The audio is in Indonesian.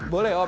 boleh om ya